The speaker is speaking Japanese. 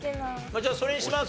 じゃあそれにします？